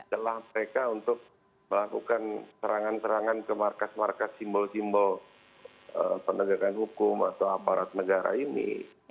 celah mereka untuk melakukan serangan serangan ke markas markas simbol simbol penegakan hukum atau aparat negara ini